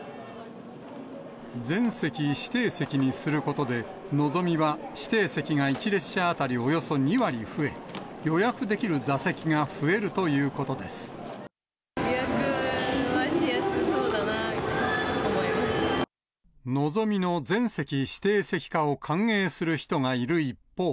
全席指定席にすることで、のぞみは指定席が１列車当たりおよそ２割増え、予約できる座席が予約はしやすそうだなと思いのぞみの全席指定席化を歓迎する人がいる一方。